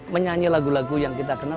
menyanyi lagu lagu yang kita kenal